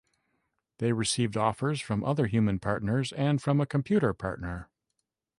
They received offers from other human partners and from a computer partner.